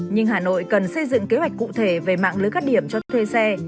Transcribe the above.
nhưng hà nội cần xây dựng kế hoạch cụ thể về mạng lưới các điểm cho thuê xe